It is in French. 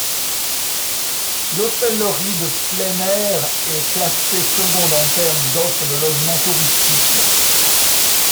L'hôtellerie de plein aire est classée seconde en terme d'offre de logements touristiques.